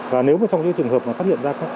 và nếu mà trong những trường hợp mà phát hiện ra